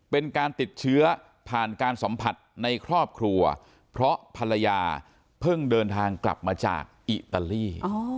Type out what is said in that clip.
เป็นการติดเชื้อผ่านการสัมผัสในครอบครัวเพราะภรรยาเพิ่งเดินทางกลับมาจากอิตาลี